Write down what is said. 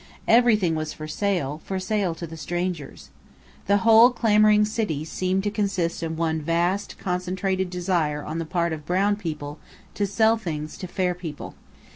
Everything was for sale, for sale to the strangers! The whole clamouring city seemed to consist of one vast, concentrated desire on the part of brown people to sell things to fair people.